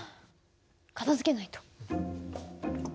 片づけないと。